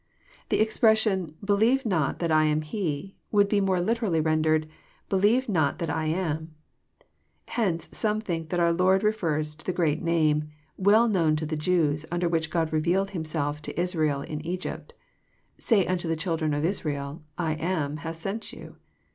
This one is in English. The expression <* believe not that I am He " would be more literally rendered " believe not that I am." Hence some think that our Lord refers to the great name, well known to the Jews, nnder which God revealed Himself to Israel in Egypt,—" Say unto the children of Israel, I AM hath sent you."